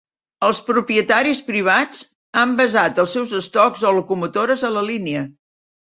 Els propietaris privats han basat els seus estocs o locomotores a la línia.